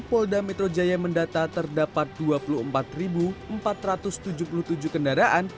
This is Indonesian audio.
polda metro jaya mendata terdapat dua puluh empat empat ratus tujuh puluh tujuh kendaraan